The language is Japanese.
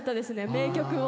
名曲を。